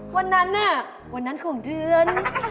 วันนั้นน่ะวันนั้นของเดือน